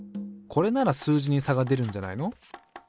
これなら数字に差が出るんじゃないの？